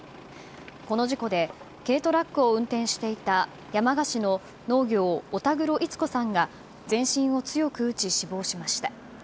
この事故で軽トラックを運転していた山鹿市の農業太田黒逸子さんが全身を強く打ち、死亡しました。